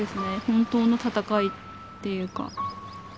本当の闘いっていうか。